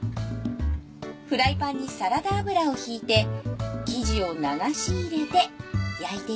フライパンにサラダ油をひいて生地を流し入れて焼いていくよ